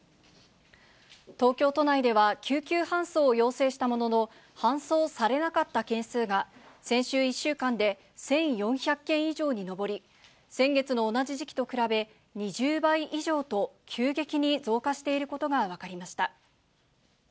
東京都内では、救急搬送を要請したものの搬送されなかった件数が、先週１週間で１４００件以上に上り、先月の同じ時期と比べ、２０倍以上と急激に増加していることが分かりました。